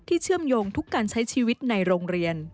เชื่อมโยงทุกการใช้ชีวิตในโรงเรียน